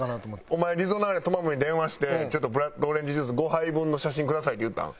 お前リゾナーレトマムに電話して「ブラッドオレンジジュース５杯分の写真ください」って言ったん？